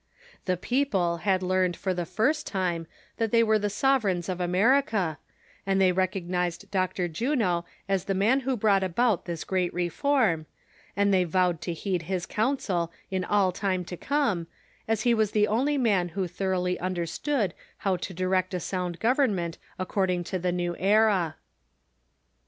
The people had learned for tlie first time that they were the sovereigns of America, and they recognized Dr. Juno as the man wlio brought about this great reform, and tlicy vowed to heed liis counsel in all time to come, as he was the only man who thoroughly understood how to direct a sound government according to the new era.